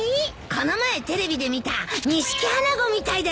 この前テレビで見たニシキアナゴみたいだよ。